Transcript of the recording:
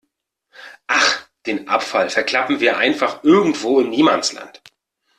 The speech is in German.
Ach, den Abfall verklappen wir einfach irgendwo im Niemandsland.